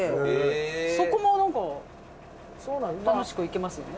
そこもなんか楽しくいけますよね。